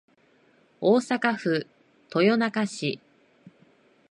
大阪府豊中市